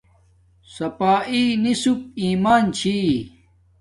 صفاݷݵ نصپ ایمان چھی